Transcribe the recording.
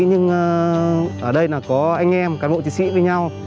nhưng ở đây là có anh em cán bộ chiến sĩ với nhau